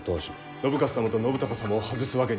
信雄様と信孝様を外すわけには。